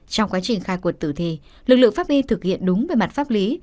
trong quá trình khai quật tử thi lực lượng pháp y thực hiện đúng về mặt pháp lý